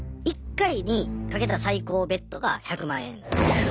１回に賭けた最高ＢＥＴが１００万円。